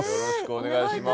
お願いします。